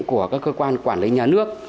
của các cơ quan quản lý nhà nước